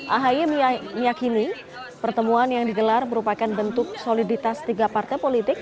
ahaya meyakini pertemuan yang digelar merupakan bentuk soliditas tiga partai politik